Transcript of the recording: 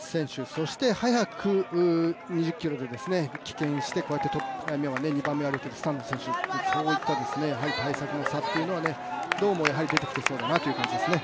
そして早く２０ｋｍで棄権して、２番目歩いているスタノ選手、対策の差というのはどうも出てきてそうだなという感じですね。